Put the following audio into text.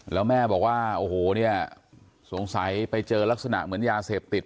แล้วแม่บอกว่าโอ้โหเนี่ยสงสัยไปเจอลักษณะเหมือนยาเสพติด